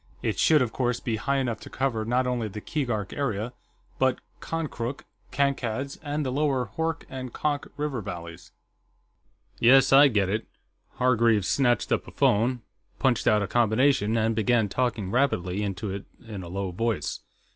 It should, of course, be high enough to cover not only the Keegark area, but Konkrook, Kankad's, and the lower Hoork and Konk river valleys." "Yes, I get it." Hargreaves snatched up a phone, punched out a combination, and began talking rapidly into it in a low voice.